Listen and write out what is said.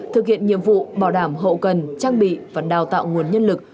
thực hiện nhiệm vụ bảo đảm hậu cần trang bị và đào tạo nguồn nhân lực